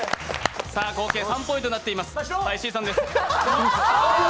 合計３ポイントになっています、石井さんです。